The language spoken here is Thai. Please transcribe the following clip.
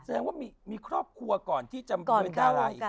แสดงว่ามีครอบครัวก่อนที่จะมีโรงแรมดาลาย